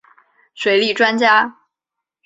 水利专家。